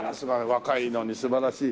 若いのに素晴らしい。